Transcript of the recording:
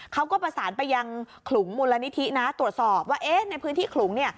เขาก็ประสานไปยังขลุงมูลนิธินะตรวจสอบว่าในพื้นที่ขลุง